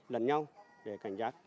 lần nhau để cảnh giác